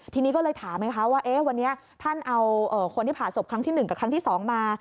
ทีนี้ก็เลยถามไงคะว่าวันนี้ท่านเอาคนที่ผ่าศพครั้งที่๑กับครั้งที่๒มา